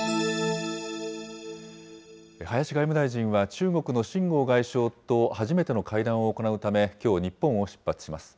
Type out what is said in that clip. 林外務大臣は中国の秦剛外相と初めての会談を行うため、きょう、日本を出発します。